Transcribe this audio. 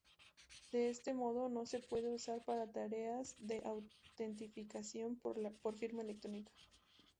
De este modo, no se puede usar para tareas de autentificación por firma electrónica.